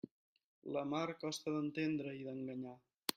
La mar costa d'entendre i d'enganyar.